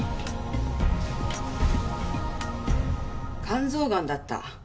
肝臓ガンだった。